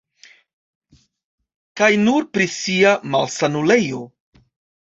Kaj nur pri sia malsanulejo.